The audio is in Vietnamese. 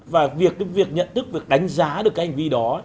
và việc nhận thức việc đánh giá được hành vi đó